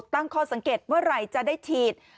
ตั้งข้อสังเกตเมื่อไหร่จะได้ฉีด